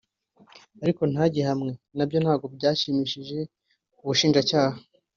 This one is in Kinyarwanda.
ariko ntagihamwe nabyo ntabwo byanyuze Ubushinjacyaha